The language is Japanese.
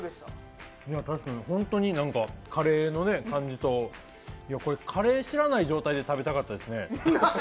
本当にカレーの感じとカレー知らない状態で食べたかったですね。